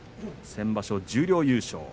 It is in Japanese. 先場所、十両優勝。